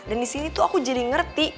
dan di sini aku jadi ngerti